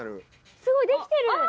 すごい、できてる。